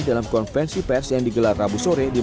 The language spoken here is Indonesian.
dalam konfensi pers yang digelar rabu sore di mapolda jatim